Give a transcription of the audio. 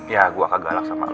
ya gue kegalak sama lo tadi